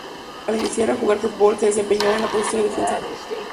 Al iniciar a jugar fútbol se desempeñó en la posición de defensa.